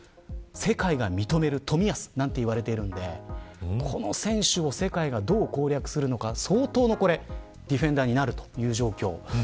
世界が認める冨安なんて言われているんでこの選手を世界がどう攻略するのか相当のディフェンダーになるという状況。